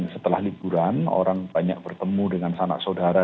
dan setelah liburan orang banyak bertemu dengan sanak saudara